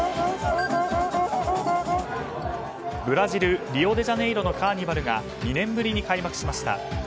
ブラジル・リオデジャネイロのカーニバルが２年ぶりに開幕しました。